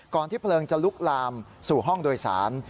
ที่เพลิงจะลุกลามสู่ห้องโดยสาร